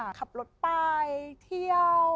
ขับรถขับรถไปเที่ยว